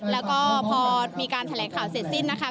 แล้วก็พอมีการแถลงข่าวเสร็จสิ้นนะคะ